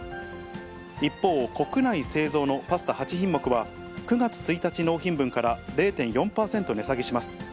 一方、国内製造のパスタ８品目は、９月１日納品分から０．４％値下げします。